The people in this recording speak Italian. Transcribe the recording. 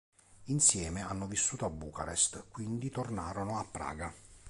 Insieme hanno vissuto a Bucarest, quindi tornarono a Praga.